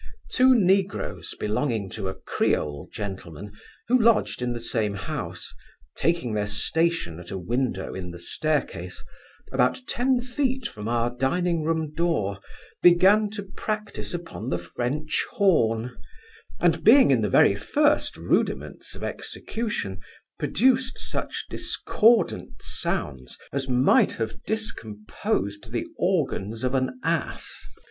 Two negroes, belonging to a Creole gentleman, who lodged in the same house, taking their station at a window in the stair case, about ten feet from our dining room door, began to practise upon the French horn; and being in the very first rudiments of execution, produced such discordant sounds, as might have discomposed the organs of an ass.